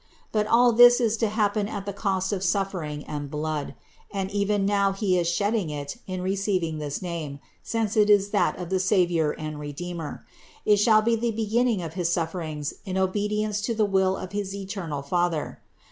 But all this is to happen at the cost of suffering and blood; and even now He is to shed it in receiving this name, since it is that of the Savior and Redeemer; it shall be the beginning of his sufferings in obedience to the will of his eternal Father.